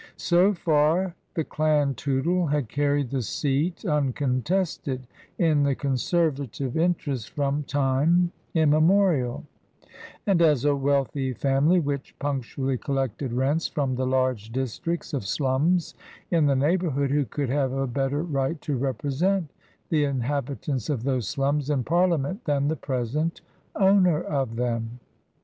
So far the clan Tootle had carried the seat uncontested in the Conservative interest from time immemorial ; and as a wealthy family which punctually collected rents from the large districts of slums in the neighbourhood, who could have a better right to represent the inhabitants of those slums in Par liament than the present owner of them